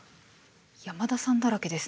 山田さんだらけですね。